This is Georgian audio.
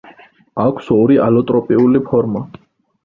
აქვს ორი ალოტროპიული ფორმა.